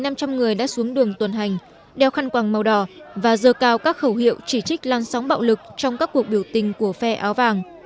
nhiều người đã xuống đường tuần hành đeo khăn quàng màu đỏ và dơ cao các khẩu hiệu chỉ trích lan sóng bạo lực trong các cuộc biểu tình của phe áo vàng